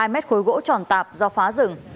hai hai m khối gỗ tròn tạp do phá rừng